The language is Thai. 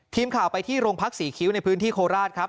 ทีมข่าวไปที่โรงพักศรีคิ้วในพื้นที่โคราชครับ